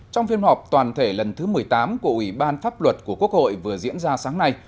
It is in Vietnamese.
trong phiên họp toàn thể lần thứ một mươi tám của ủy ban pháp luật của quốc hội vừa diễn ra sáng nay